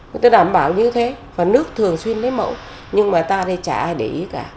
người ta đảm bảo như thế và nước thường xuyên lấy mẫu nhưng mà ta đây chả ai để ý cả